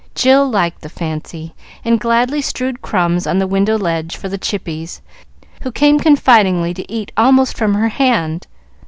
Jill liked the fancy, and gladly strewed crumbs on the window ledge for the chippies, who came confidingly to eat almost from her hand.